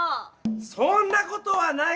そんなことはないぜぇ！